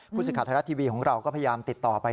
ผู้สิทธิภาษาไทยรัตน์ทีวีของเราก็พยายามติดต่อไป